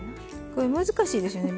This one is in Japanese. これ難しいですよね